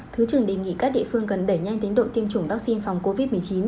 thứ trưởng đề nghị các địa phương cần đẩy nhanh tiến độ tiêm chủng vaccine phòng covid một mươi chín